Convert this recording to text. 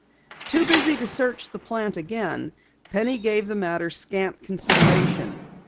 Too busy to search the plant again, Penny gave the matter scant consideration.